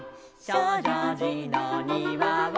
「しょうじょうじのにわは」